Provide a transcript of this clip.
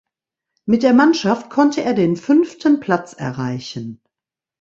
Mit der Mannschaft konnte er den fünften Platz erreichen.